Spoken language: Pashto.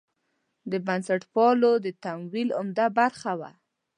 د بنسټپالو د تمویل عمده برخه وه.